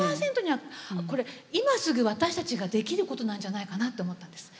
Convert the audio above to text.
これ今すぐ私たちができることなんじゃないかなって思ったんです。